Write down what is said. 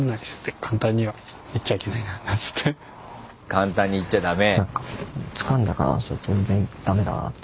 簡単に言っちゃだめ。